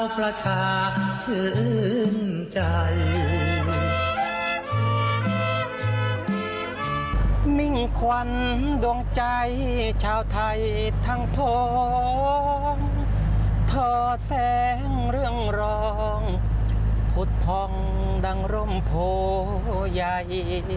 พ่อท่อแสงเรื่องร้องพุทธพ่องดังรมโภห์ใหญ่